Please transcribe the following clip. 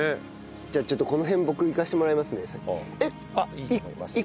じゃあこの辺僕いかせてもらいますね。